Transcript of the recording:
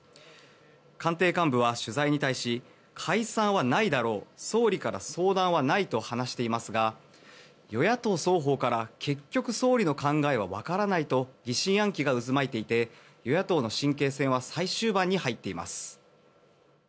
官邸幹部は取材に対し解散はないだろう総理から相談はないと話していますが与野党双方から結局、総理の考えはわからないと疑心暗鬼が渦巻いていて与野党の神経戦は最終盤に入っています。